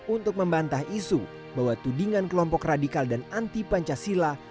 untuk membantah isu bahwa tudingan kelompok radikal dan anti pancasila